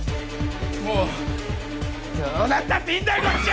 もうどうなったっていいんだこっちは！